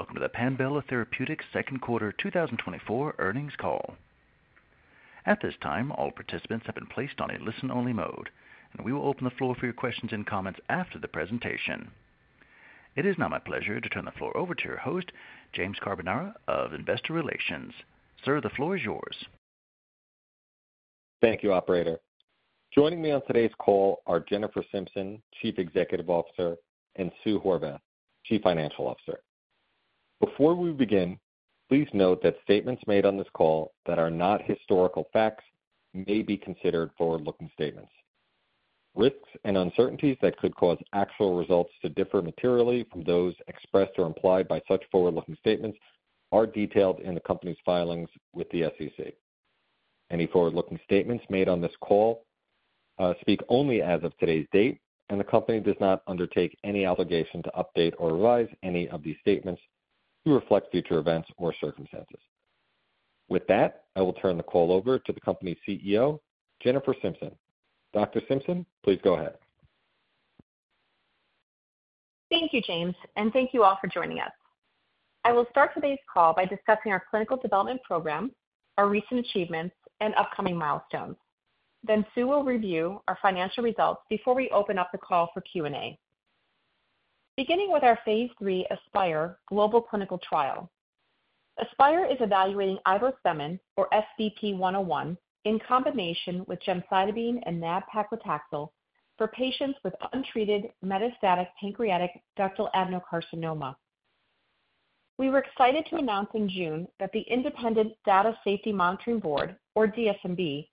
Welcome to the Panbela Therapeutics second quarter 2024 earnings call. At this time, all participants have been placed on a listen-only mode, and we will open the floor for your questions and comments after the presentation. It is now my pleasure to turn the floor over to your host, James Carbonara of Investor Relations. Sir, the floor is yours. Thank you, operator. Joining me on today's call are Jennifer Simpson, Chief Executive Officer, and Sue Horvath, Chief Financial Officer. Before we begin, please note that statements made on this call that are not historical facts may be considered forward-looking statements. Risks and uncertainties that could cause actual results to differ materially from those expressed or implied by such forward-looking statements are detailed in the company's filings with the SEC. Any forward-looking statements made on this call speak only as of today's date, and the company does not undertake any obligation to update or revise any of these statements to reflect future events or circumstances. With that, I will turn the call over to the company's CEO, Jennifer Simpson. Dr. Simpson, please go ahead. Thank you, James, and thank you all for joining us. I will start today's call by discussing our clinical development program, our recent achievements, and upcoming milestones. Then Sue will review our financial results before we open up the call for Q&A. Beginning with our phase III ASPIRE global clinical trial. ASPIRE is evaluating ivospemin, or SBP-101, in combination with gemcitabine and nab-paclitaxel for patients with untreated metastatic pancreatic ductal adenocarcinoma. We were excited to announce in June that the independent Data Safety Monitoring Board, or DSMB,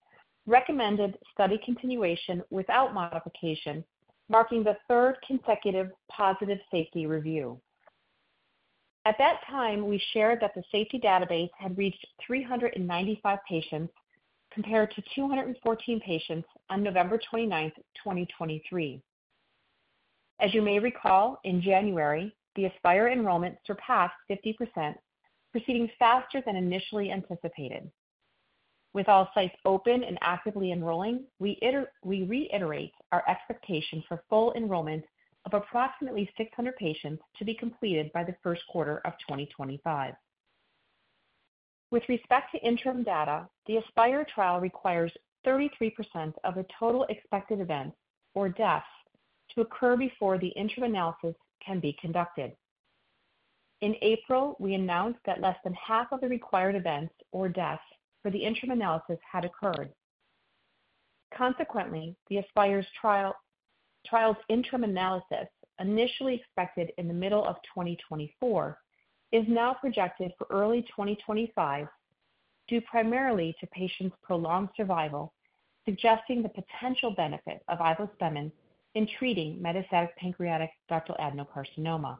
recommended study continuation without modification, marking the third consecutive positive safety review. At that time, we shared that the safety database had reached 395 patients, compared to 214 patients on November twenty-ninth, 2023. As you may recall, in January, the ASPIRE enrollment surpassed 50%, proceeding faster than initially anticipated. With all sites open and actively enrolling, we reiterate our expectation for full enrollment of approximately 600 patients to be completed by the first quarter of 2025. With respect to interim data, the ASPIRE trial requires 33% of the total expected events, or deaths, to occur before the interim analysis can be conducted. In April, we announced that less than half of the required events or deaths for the interim analysis had occurred. Consequently, the ASPIRE trial's interim analysis, initially expected in the middle of 2024, is now projected for early 2025, due primarily to patients' prolonged survival, suggesting the potential benefit of ivospemin in treating metastatic pancreatic ductal adenocarcinoma.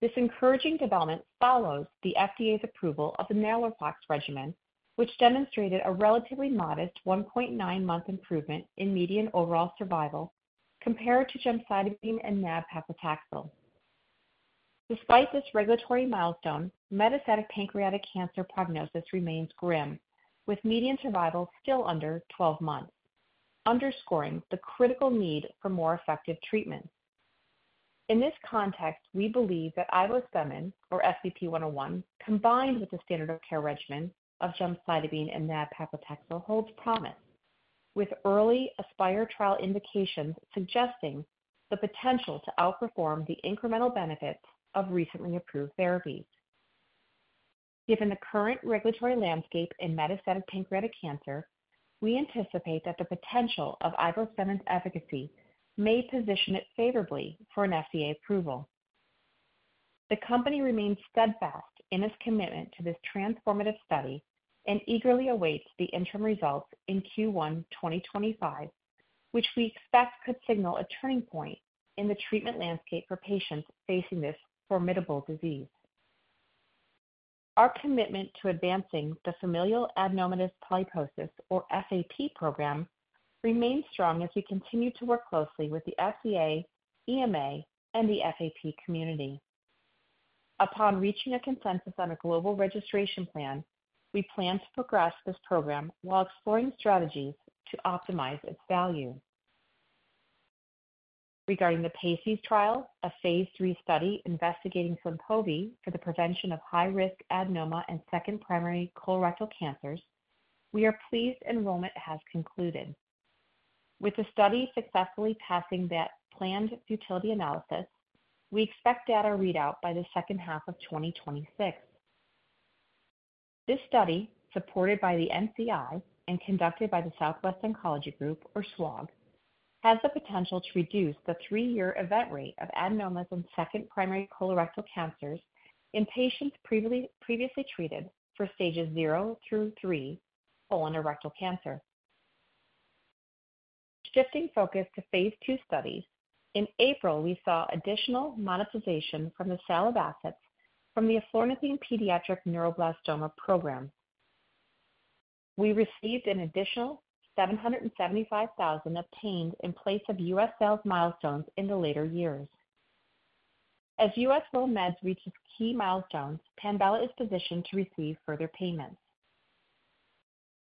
This encouraging development follows the FDA's approval of the FOLFIRINOX regimen, which demonstrated a relatively modest 1.9 month improvement in median overall survival compared to gemcitabine and nab-paclitaxel. Despite this regulatory milestone, metastatic pancreatic cancer prognosis remains grim, with median survival still under 12 months, underscoring the critical need for more effective treatments. In this context, we believe that ivospemin, or SBP-101, combined with the standard of care regimen of gemcitabine and nab-paclitaxel, holds promise, with early ASPIRE trial indications suggesting the potential to outperform the incremental benefits of recently approved therapies. Given the current regulatory landscape in metastatic pancreatic cancer, we anticipate that the potential of ivospemin's efficacy may position it favorably for an FDA approval. The company remains steadfast in its commitment to this transformative study and eagerly awaits the interim results in Q1 2025, which we expect could signal a turning point in the treatment landscape for patients facing this formidable disease. Our commitment to advancing the familial adenomatous polyposis, or FAP, program remains strong as we continue to work closely with the FDA, EMA, and the FAP community. Upon reaching a consensus on a global registration plan, we plan to progress this program while exploring strategies to optimize its value. Regarding the PACES trial, a phase III study investigating Flynpovi for the prevention of high-risk adenoma and second primary colorectal cancers, we are pleased enrollment has concluded. With the study successfully passing that planned futility analysis, we expect data readout by the second half of 2026. This study, supported by the NCI and conducted by the Southwest Oncology Group, or SWOG, has the potential to reduce the three-year event rate of adenomas and second primary colorectal cancers in patients previously treated for stages zero through three colon or rectal cancer. Shifting focus to phase II studies, in April, we saw additional monetization from the sale of assets from the eflornithine pediatric neuroblastoma program. We received an additional $775,000 obtained in place of US sales milestones in the later years. As US WorldMeds reaches key milestones, Panbela is positioned to receive further payments.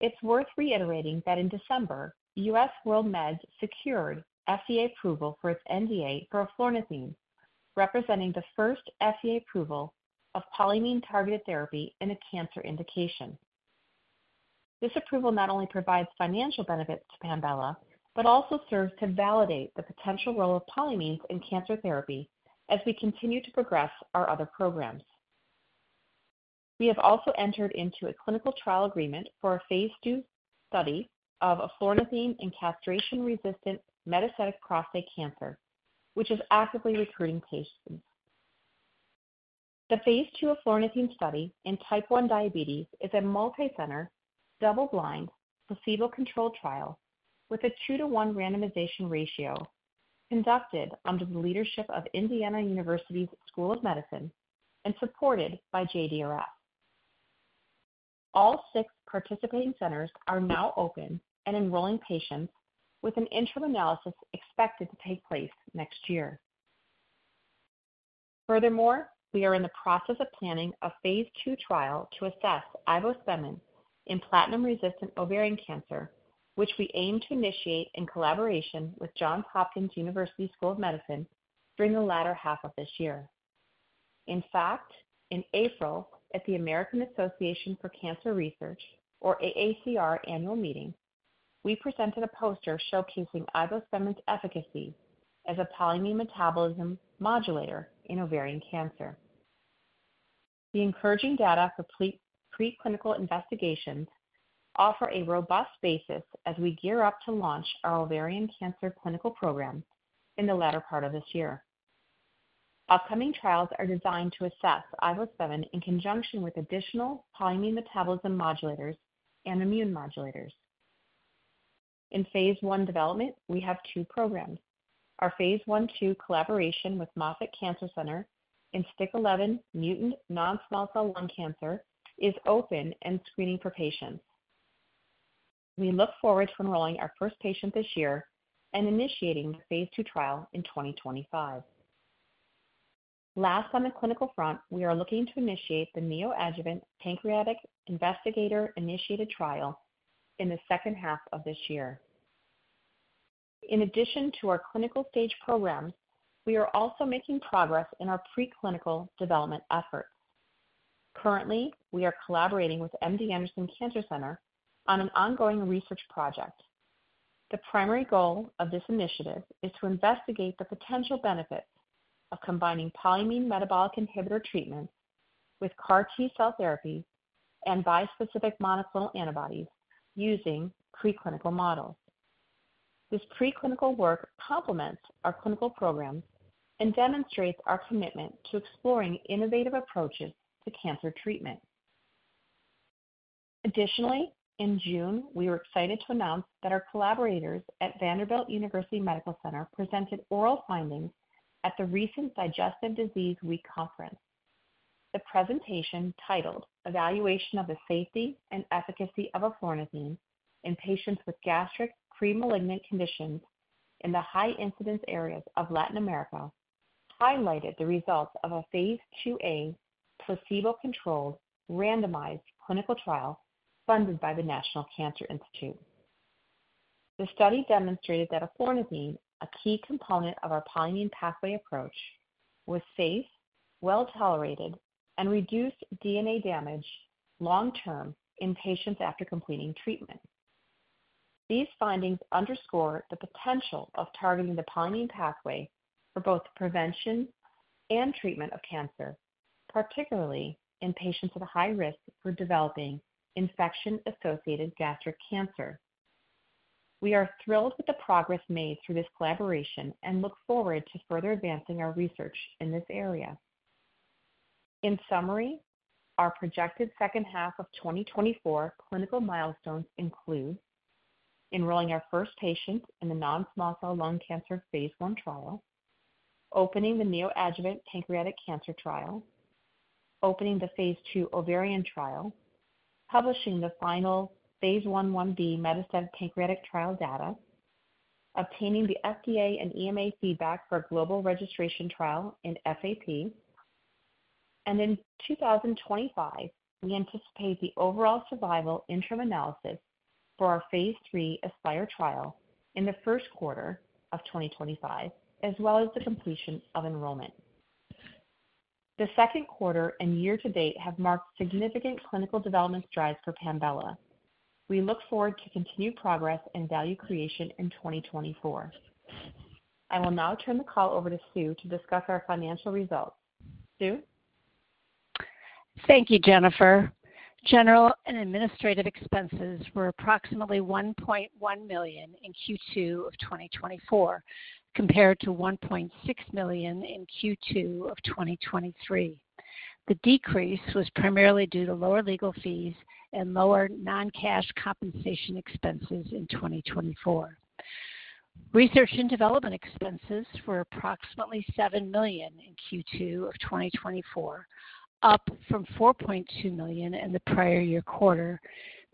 It's worth reiterating that in December, US WorldMeds secured FDA approval for its NDA for eflornithine, representing the first FDA approval of polyamine-targeted therapy in a cancer indication. This approval not only provides financial benefits to Panbela, but also serves to validate the potential role of polyamines in cancer therapy as we continue to progress our other programs. We have also entered into a clinical trial agreement for a phase II study of eflornithine in castration-resistant metastatic prostate cancer, which is actively recruiting patients. The phase II eflornithine study in type 1 diabetes is a multicenter, double-blind, placebo-controlled trial with a 2-to-1 randomization ratio, conducted under the leadership of Indiana University School of Medicine and supported by JDRF. All six participating centers are now open and enrolling patients, with an interim analysis expected to take place next year. Furthermore, we are in the process of planning a phase II trial to assess ivospemin in platinum-resistant ovarian cancer, which we aim to initiate in collaboration with Johns Hopkins University School of Medicine during the latter half of this year. In fact, in April, at the American Association for Cancer Research, or AACR Annual Meeting, we presented a poster showcasing ivospemin's efficacy as a polyamine metabolism modulator in ovarian cancer. The encouraging data for preclinical investigations offer a robust basis as we gear up to launch our ovarian cancer clinical program in the latter part of this year. Upcoming trials are designed to assess ivospemin in conjunction with additional polyamine metabolism modulators and immune modulators. In phase I development, we have two programs. Our phase I/II collaboration with Moffitt Cancer Center in STK11 mutant non-small cell lung cancer is open and screening for patients. We look forward to enrolling our first patient this year and initiating the phase II trial in 2025. Last, on the clinical front, we are looking to initiate the neoadjuvant pancreatic investigator-initiated trial in the second half of this year. In addition to our clinical stage programs, we are also making progress in our preclinical development efforts. Currently, we are collaborating with MD Anderson Cancer Center on an ongoing research project. The primary goal of this initiative is to investigate the potential benefits of combining polyamine metabolic inhibitor treatments with CAR T-cell therapy and bispecific monoclonal antibodies using preclinical models. This preclinical work complements our clinical programs and demonstrates our commitment to exploring innovative approaches to cancer treatment. Additionally, in June, we were excited to announce that our collaborators at Vanderbilt University Medical Center presented oral findings at the recent Digestive Disease Week conference. The presentation, titled Evaluation of the Safety and Efficacy of eflornithine in Patients with Gastric Premalignant Conditions in the High Incidence Areas of Latin America, highlighted the results of a phase IIa placebo-controlled, randomized clinical trial funded by the National Cancer Institute. The study demonstrated that eflornithine, a key component of our polyamine pathway approach, was safe, well-tolerated, and reduced DNA damage long-term in patients after completing treatment. These findings underscore the potential of targeting the polyamine pathway for both prevention and treatment of cancer, particularly in patients at high risk for developing infection-associated gastric cancer. We are thrilled with the progress made through this collaboration and look forward to further advancing our research in this area. In summary, our projected second half of 2024 clinical milestones include enrolling our first patients in the non-small cell lung cancer phase I trial, opening the neoadjuvant pancreatic cancer trial, opening the phase II ovarian trial, publishing the final phase I/Ib metastatic pancreatic trial data, obtaining the FDA and EMA feedback for global registration trial in FAP. And in 2025, we anticipate the overall survival interim analysis for our phase III ASPIRE trial in the first quarter of 2025, as well as the completion of enrollment. The second quarter and year-to-date have marked significant clinical development strides for Panbela. We look forward to continued progress and value creation in 2024. I will now turn the call over to Sue to discuss our financial results. Sue? Thank you, Jennifer. General and administrative expenses were approximately $1.1 million in Q2 of 2024, compared to $1.6 million in Q2 of 2023. The decrease was primarily due to lower legal fees and lower non-cash compensation expenses in 2024. Research and development expenses were approximately $7 million in Q2 of 2024, up from $4.2 million in the prior year quarter,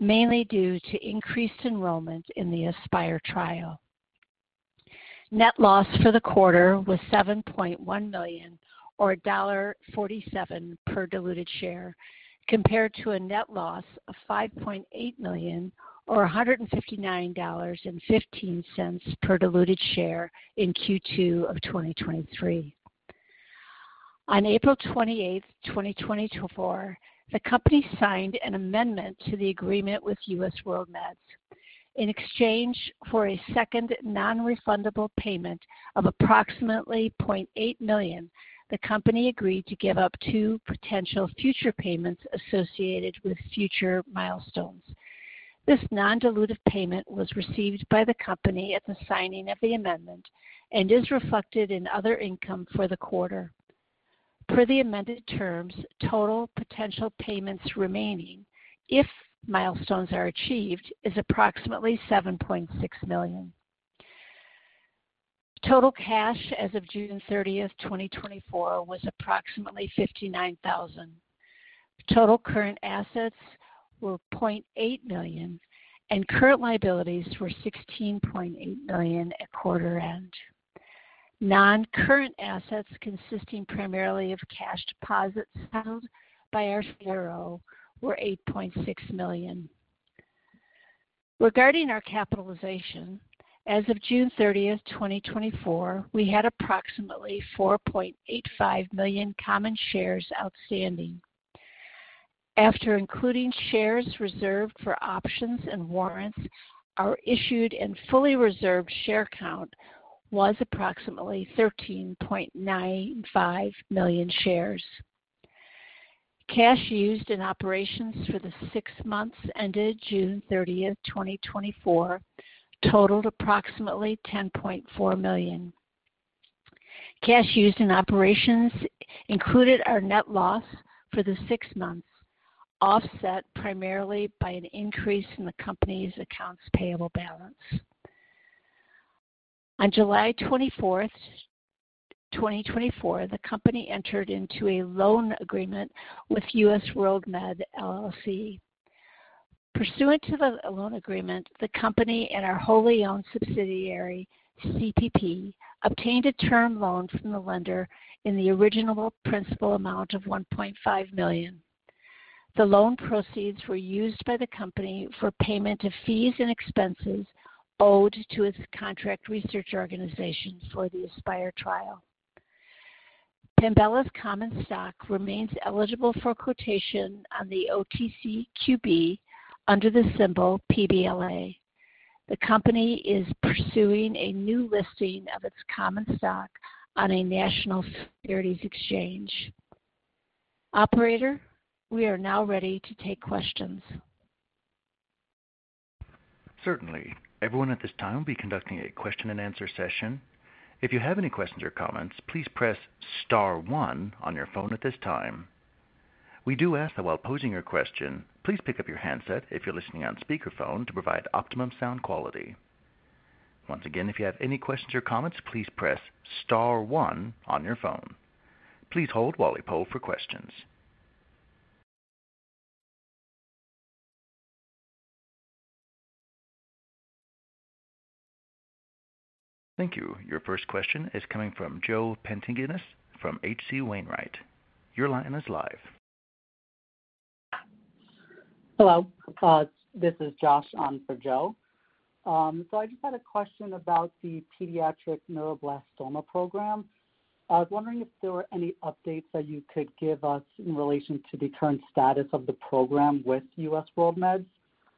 mainly due to increased enrollment in the ASPIRE trial. Net loss for the quarter was $7.1 million, or $1.47 per diluted share, compared to a net loss of $5.8 million, or $159.15 per diluted share in Q2 of 2023. On April twenty-eighth, 2024, the company signed an amendment to the agreement with US WorldMeds. In exchange for a second nonrefundable payment of approximately $0.8 million, the company agreed to give up two potential future payments associated with future milestones. This non-dilutive payment was received by the company at the signing of the amendment and is reflected in other income for the quarter. Per the amended terms, total potential payments remaining, if milestones are achieved, is approximately $7.6 million. Total cash as of June 30, 2024, was approximately $59,000. Total current assets were $0.8 million, and current liabilities were $16.8 million at quarter end. Non-current assets, consisting primarily of cash deposits held by our CRO, were $8.6 million. Regarding our capitalization, as of June 30, 2024, we had approximately 4.85 million common shares outstanding. After including shares reserved for options and warrants, our issued and fully reserved share count was approximately 13.95 million shares. Cash used in operations for the six months ended June 30, 2024, totaled approximately $10.4 million. Cash used in operations included our net loss for the six months, offset primarily by an increase in the company's accounts payable balance. On July 24, 2024, the company entered into a loan agreement with US WorldMeds, LLC. Pursuant to the loan agreement, the company and our wholly owned subsidiary, CPP, obtained a term loan from the lender in the original principal amount of $1.5 million. The loan proceeds were used by the company for payment of fees and expenses owed to its contract research organization for the ASPIRE trial. Panbela's common stock remains eligible for quotation on the OTCQB under the symbol PBLA. The company is pursuing a new listing of its common stock on a national securities exchange. Operator, we are now ready to take questions. Certainly. Everyone at this time, we'll be conducting a question and answer session. If you have any questions or comments, please press star one on your phone at this time. We do ask that while posing your question, please pick up your handset if you're listening on speakerphone to provide optimum sound quality. Once again, if you have any questions or comments, please press star one on your phone. Please hold while we poll for questions. Thank you. Your first question is coming from Joseph Pantginis from H.C. Wainwright. Your line is live. Hello, this is Josh on for Joe. So I just had a question about the pediatric neuroblastoma program. I was wondering if there were any updates that you could give us in relation to the current status of the program with US WorldMeds,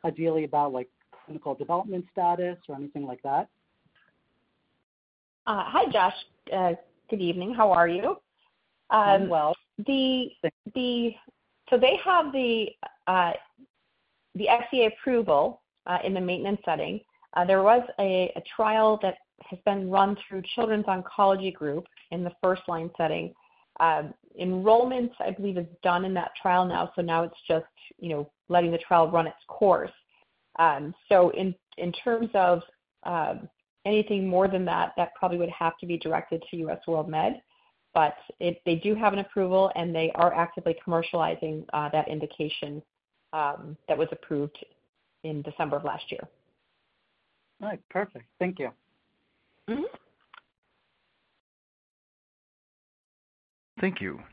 ideally about, like, clinical development status or anything like that? Hi, Josh. Good evening. How are you? I'm well. So they have the FDA approval in the maintenance setting. There was a trial that has been run through Children's Oncology Group in the first line setting. Enrollment, I believe, is done in that trial now, so now it's just, you know, letting the trial run its course. So in terms of anything more than that, that probably would have to be directed to US WorldMeds, but it... They do have an approval, and they are actively commercializing that indication that was approved in December of last year. All right. Perfect. Thank you. Mm-hmm. Thank you.